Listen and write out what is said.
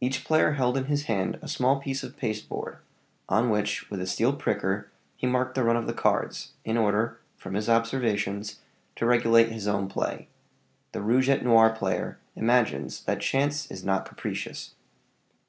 Each player held in his hand a small piece of pasteboard, on which, with a steel pricker, he marked the run of the cards, in order, from his observations, to regulate his own play: the rouge et noir player imagines that chance is not capricious.